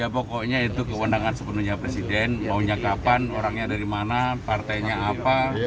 pokoknya itu kewenangan sepenuhnya presiden maunya kapan orangnya dari mana partainya apa